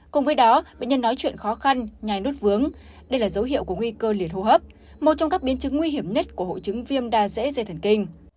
cùng với đó bệnh nhân nói chuyện khó khăn nhái nút vướng đây là dấu hiệu của nguy cơ liền hô hấp một trong các biến chứng nguy hiểm nhất của hội chứng viêm da dễ dây thần kinh